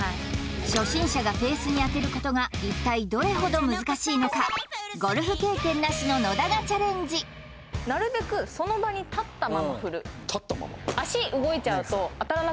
初心者がフェースに当てることが一体どれほど難しいのかゴルフ経験なしの野田がチャレンジなるべくその場に立ったまま振る立ったまま？